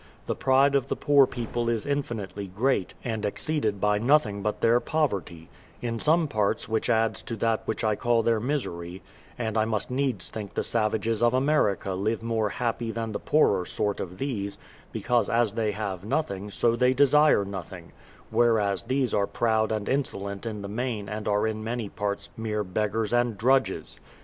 The pride of the poor people is infinitely great, and exceeded by nothing but their poverty, in some parts, which adds to that which I call their misery; and I must needs think the savages of America live much more happy than the poorer sort of these, because as they have nothing, so they desire nothing; whereas these are proud and insolent and in the main are in many parts mere beggars and drudges.